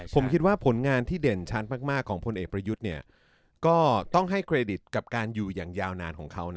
ผมคิดว่าผลงานที่เด่นชัดมากของพลเอกประยุทธ์ก็ต้องให้เครดิตกับการอยู่อย่างยาวนานของเขา